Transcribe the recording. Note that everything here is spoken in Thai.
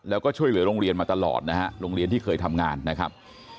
แล้วก็ช่วยเหลือโรงเรียนมาตลอดนะฮะโรงเรียนที่เคยทำงานนะครับ